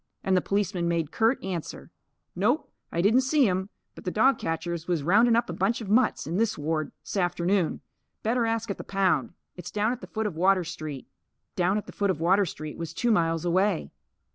And the policeman made curt answer: "Nope. I didn't see 'em. But the dog catchers was roundin' up a bunch of mutts in this ward, 's aft'noon. Better ask at the pound. It's down at the foot of Water Street." "Down at the foot of Water Street" was two miles away.